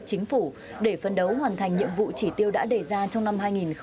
chính phủ để phân đấu hoàn thành nhiệm vụ chỉ tiêu đã đề ra trong năm hai nghìn hai mươi